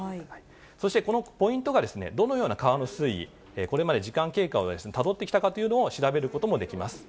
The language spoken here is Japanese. そしてこのポイントが、どのような川の水位、これまで時間経過をたどってきたかというのを調べることもできます。